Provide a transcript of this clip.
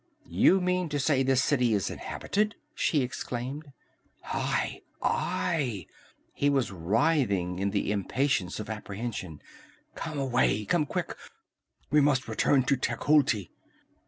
"You mean to say this city is inhabited?" she exclaimed. "Aye! Aye!" He was writhing in the impatience of apprehension. "Come away! Come quick! We must return to Tecuhltli!"